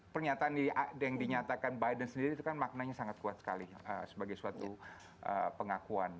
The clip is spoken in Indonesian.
pernyataan yang dinyatakan biden sendiri itu kan maknanya sangat kuat sekali sebagai suatu pengakuan